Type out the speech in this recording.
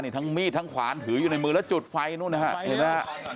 บ้านทั้งมีดทั้งขวานถืออยู่ในมือแล้วจุดไฟนู่นนะฮะ